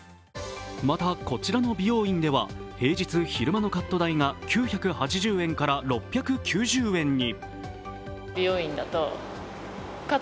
また、こちらの美容院では平日昼間のカット代が９８０円から６９０円に。